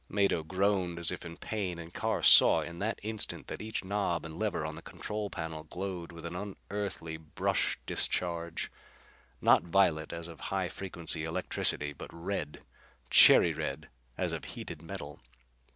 Mado groaned as if in pain and Carr saw in that instant that each knob and lever on the control panel glowed with an unearthly brush discharge. Not violet as of high frequency electricity, but red. Cherry red as of heated metal.